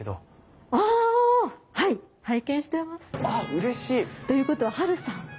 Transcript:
あっうれしい！ということはハルさんですよね？